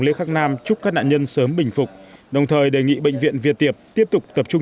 lễ khắc nam chúc các nạn nhân sớm bình phục đồng thời đề nghị bệnh viện việt tiệp tiếp tục tập trung